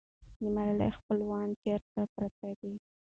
د ملالۍ خپلوان چېرته پراته دي؟